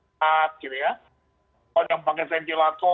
orang yang pakai ventilator sudah dirawat dan sebagainya bukan seperti itu